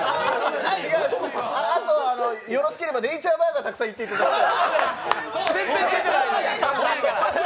あと、よろしければネイチャーバーガーたくさん言っていただいて。